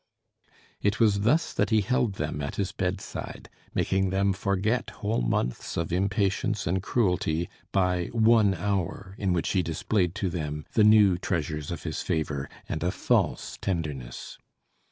It was thus that he held them at his bedside, making them forget whole months of impatience and cruelty by one hour in which he displayed to them the new treasures of his favor and a false tenderness.